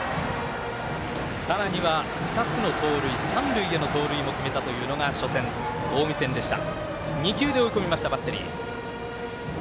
さらには２つの盗塁三塁への盗塁も決めたというのが初戦近江戦でした。